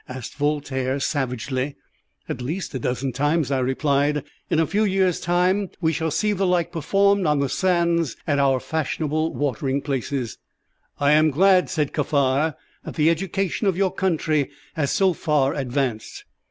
asked Voltaire, savagely. "At least a dozen times," I replied. "In a few years' time, we shall see the like performed on the sands at our fashionable watering places." "I am glad," said Kaffar, "that the education of your country has so far advanced."